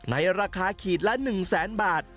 ในราคาขีดละ๑แสนบาท